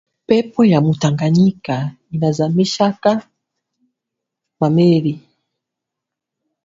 Pepo ya mu tanganyika inazamishaka ma meli